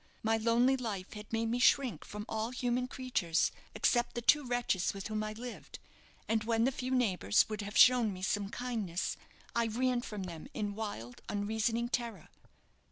My lonely life had made me shrink from all human creatures, except the two wretches with whom I lived; and when the few neighbours would have shown me some kindness, I ran from them in wild, unreasoning terror."